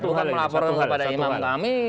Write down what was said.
bukan melaporin kepada imam kami